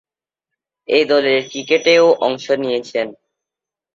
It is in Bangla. এ-দলের ক্রিকেটেও অংশ নিয়েছেন।